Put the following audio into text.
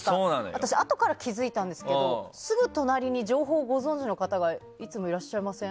私、あとから気づいたんですけどすぐ隣に情報をご存じの方がすぐいらっしゃいません？